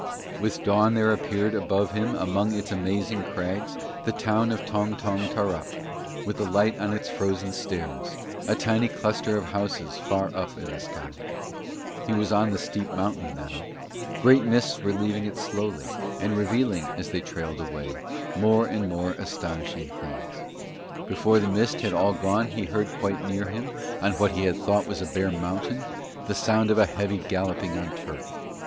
With dawn there appeared above him among its amazing crags the town of Tong Tong Tarrup, with the light on its frozen stairs, a tiny cluster of houses far up in the sky. He was on the steep mountain now: great mists were leaving it slowly, and revealing, as they trailed away, more and more astonishing things. Before the mist had all gone he heard quite near him, on what he had thought was bare mountain, the sound of a heavy galloping on turf.